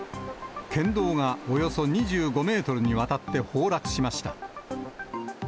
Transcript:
県道が、およそ２５メートルにわたって崩落しました。